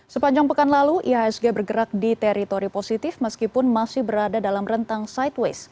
sepanjang pekan lalu ihsg bergerak di teritori positif meskipun masih berada dalam rentang sideways